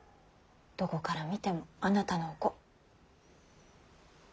どこから見てもあなたのお子。